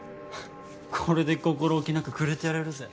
これで心置きなくくれてやれるぜ。